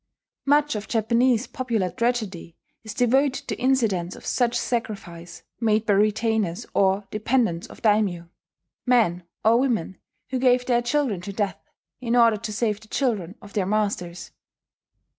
Much of Japanese popular tragedy is devoted to incidents of such sacrifice made by retainers or dependents of daimyo, men or women who gave their children to death in order to save the children of their masters.